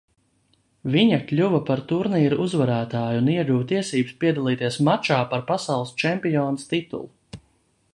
Viņa kļuva par turnīra uzvarētāju un ieguva tiesības piedalīties mačā par pasaules čempiones titulu.